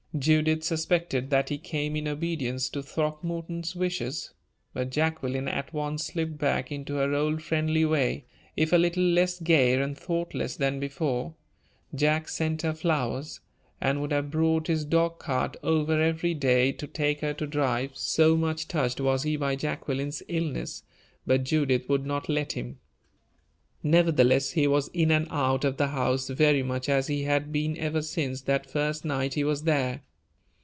Judith suspected that he came in obedience to Throckmorton's wishes. But Jacqueline at once slipped back into her old friendly way, if a little less gay and thoughtless than before. Jack sent her flowers, and would have brought his dog cart over every day to take her to drive, so much touched was he by Jacqueline's illness, but Judith would not let him. Nevertheless, he was in and out of the house very much as he had been ever since that first night he was there.